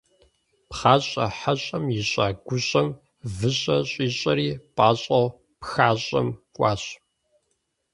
Пхъащӏэ хьэщӏэм ищӏа гущӏэм выщӏэ щӏищӏэри, пӏащӏэу пхащӏэм кӏуащ.